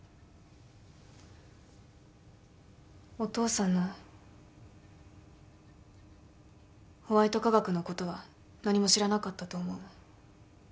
お父さんのホワイト化学のことは何も知らなかったと思う。